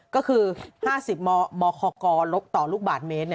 ก็คือ๕๐มคกลกต่อลูกบาทเมตร